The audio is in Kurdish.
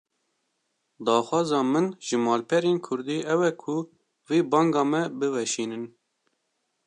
Daxwaza min ji malperên Kurdî ew e ku vê banga me biweşînin